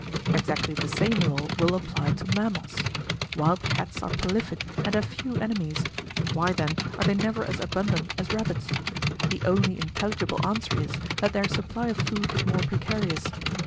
Exactly the same laws will apply to mammals. Wild cats are prolific and have few enemies; why then are they never as abundant as rabbits? The only intelligible answer is, that their supply of food is more precarious.